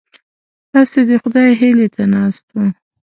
هسې د خدای هیلې ته ناست وو.